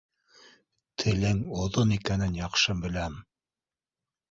Телең оҙон икәнен яҡшы беләм.